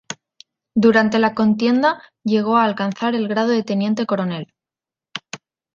Durante la contienda llegó a alcanzar el grado de teniente coronel.